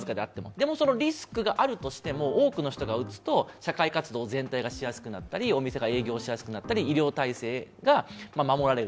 でも、そのリスクがあるとしても多くの人が打つと社会活動全体がしやすくなったりお店が営業しやすくなったり、医療体制が守られる。